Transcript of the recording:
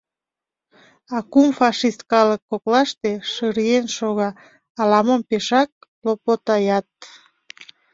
А кум фашист калык коклаште шыриен шога, ала-мом пешак лопотаят.